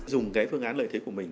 dùng cái phương án lợi thế của mình